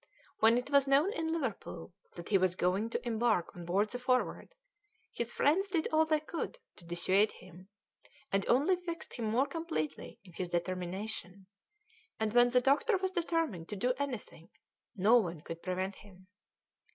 When it was known in Liverpool that he was going to embark on board the Forward his friends did all they could to dissuade him, and only fixed him more completely in his determination, and when the doctor was determined to do anything no one could prevent him.